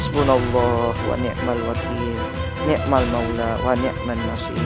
waalaikumsalam warahmatullahi wabarakatuh